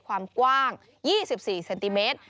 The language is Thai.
ความกว้าง๒๔เซนติเมตร